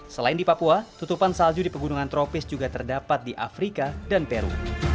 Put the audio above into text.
selain di papua tutupan salju di pegunungan tropis juga terdapat di afrika dan peru